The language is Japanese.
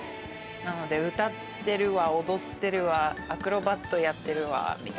なので歌ってるわ踊ってるわアクロバットやってるわみたいな。